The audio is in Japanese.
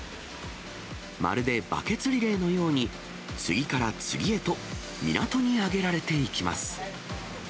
まるでバケツリレーのように、次から次へと、港へ揚げられていきます。